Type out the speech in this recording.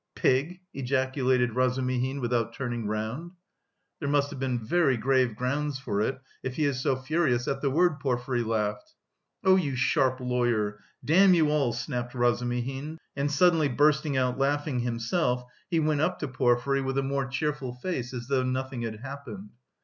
"Pig!" ejaculated Razumihin, without turning round. "There must have been very grave grounds for it, if he is so furious at the word," Porfiry laughed. "Oh, you sharp lawyer!... Damn you all!" snapped Razumihin, and suddenly bursting out laughing himself, he went up to Porfiry with a more cheerful face as though nothing had happened.